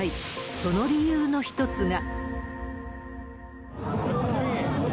その理由の一つが。